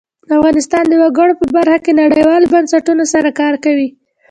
افغانستان د وګړي په برخه کې نړیوالو بنسټونو سره کار کوي.